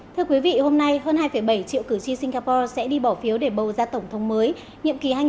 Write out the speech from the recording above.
thưa quý vị hôm nay hơn hai bảy triệu cử tri singapore sẽ đi bỏ phiếu để bầu ra tổng thống mới nhiệm kỳ hai nghìn hai mươi hai nghìn hai mươi năm